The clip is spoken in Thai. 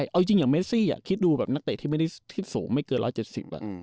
เอาจริงเลยเมซี่อย่างคิดดูแบบนักเตะที่ไม่ได้ที่สูงไม่เกินร้อนเจสสิบ